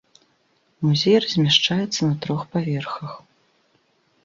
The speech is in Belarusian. Музей размяшчаецца на трох паверхах.